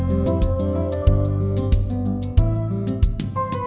ini yang terbaik